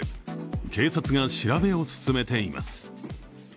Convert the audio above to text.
警察が調べを進めています。